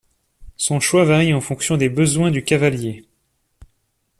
Son choix varie en fonction des besoins du cavalier.